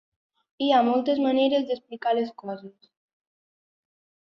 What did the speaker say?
Hi ha moltes maneres d'explicar les coses.